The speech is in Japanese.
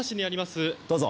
どうぞ。